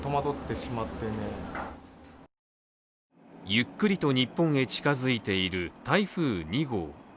ゆっくりと日本へ近づいている台風２号。